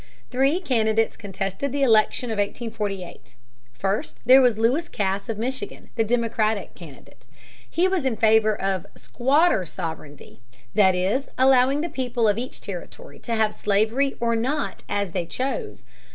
Three candidates contested the election of 1848. First there was Lewis Cass of Michigan, the Democratic candidate. He was in favor of "squatter sovereignty," that is, allowing the people of each territory to have slavery or not as they chose.